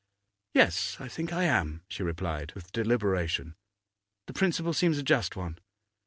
'Yes, I think I am,' she replied, with deliberation. 'The principle seems a just one.